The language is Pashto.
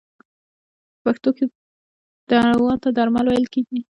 په پښتو کې دوا ته درمل ویل کیږی.